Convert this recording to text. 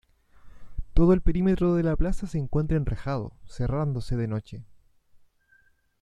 Todo el perímetro de la plaza se encuentra enrejado, cerrándose de noche.